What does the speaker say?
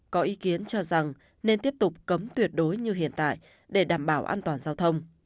có ý kiến cho rằng nên tiếp tục cấm tuyệt đối như hiện tại để đảm bảo an toàn giao thông